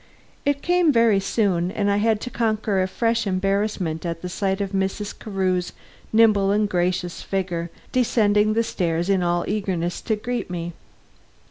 It came very soon, and I had to conquer a fresh embarrassment at the sight of Mrs. Carew's nimble and gracious figure descending the stairs in all eagerness to greet me.